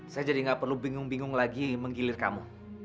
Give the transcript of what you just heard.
saya jadi gak perlu bingung bingung lagi menggilir kamu